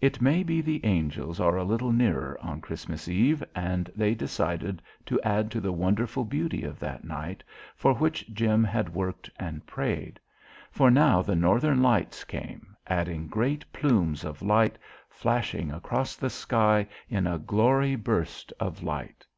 It may be the angels are a little nearer on Christmas Eve and they decided to add to the wonderful beauty of that night for which Jim had worked and prayed. For now the northern lights came, adding great plumes of light, flashing across the sky in a glory burst of light.